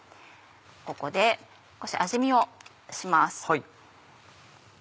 ここで少し味見をします。